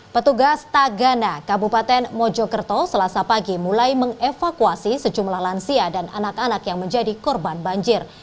petugas tagana kabupaten mojokerto selasa pagi mulai mengevakuasi sejumlah lansia dan anak anak yang menjadi korban banjir